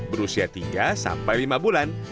berusia tiga sampai lima bulan